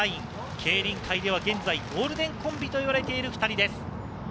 競輪界では現在、ゴールデンコンビといわれています。